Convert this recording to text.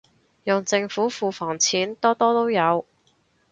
用政府庫房錢，多多都有